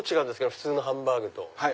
普通のハンバーグと。